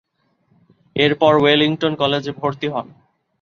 এরপর ওয়েলিংটন কলেজে ভর্তি হন।